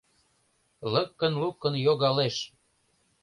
Лыкын-лукын йогалеш.